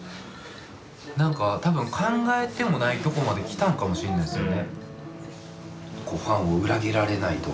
何か多分考えてもないとこまで来たんかもしんないっすよね。